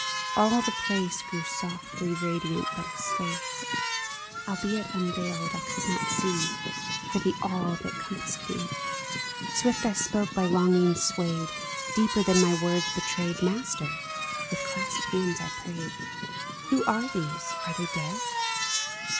All the place Grew softly radiant ; but his face, A DREAM OF SONGS UNSUNG 299 Albeit unveiled, I could not see For the awe that compassed me. Swift I spoke, by longings swayed Deeper than my words betrayed :" Master," with clasped hands I prayed, ^' Who are these ? Are they the dead